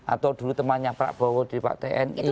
atau dulu temannya prabowo di pak tni